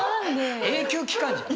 永久機関じゃん。